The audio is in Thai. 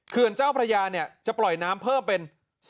เจ้าพระยาเนี่ยจะปล่อยน้ำเพิ่มเป็น